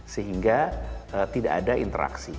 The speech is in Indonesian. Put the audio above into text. sehingga tidak ada interaksi